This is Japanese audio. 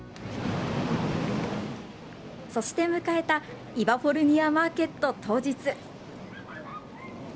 そして迎えた、イバフォルニア・マーケット当日。